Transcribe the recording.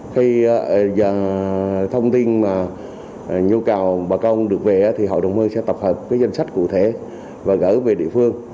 khi thông tin nhu cầu bà con được về thì hội đồng hương sẽ tập hợp danh sách cụ thể và gỡ về địa phương